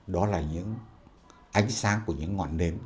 đó là những ánh sáng của những ngọn nến